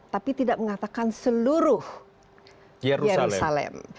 tapi tidak mengatakan seluruh yerusalem